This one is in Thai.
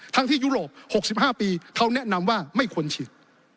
ที่ยุโรป๖๕ปีเขาแนะนำว่าไม่ควรฉีด